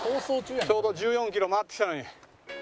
ちょうど１４キロ回ってきたのに。